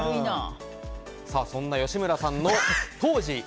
そんな吉村さんの当時。